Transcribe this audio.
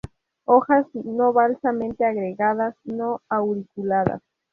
Hojas no basalmente agregadas; no auriculadas.